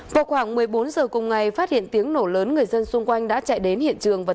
vào khoảng một mươi bốn giờ cùng ngày phát hiện tiếng nổ lớn người dân xung quanh đã chạy đến hiện trường và